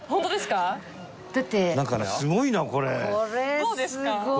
どうですか？